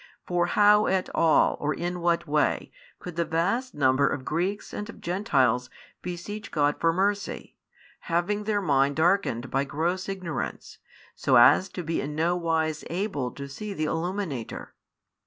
For how at all or in what way could the vast number of Greeks and of Gentiles beseech God for mercy, having their mind darkened by gross ignorance, so as to be in no wise able to see the Illuminator?